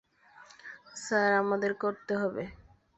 Sir, আমাদের করতে হবে।